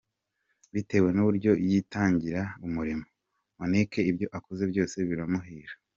Bitewe n’uburyo yitangira umurimo, Monique ibyo akoze byose biramuhira.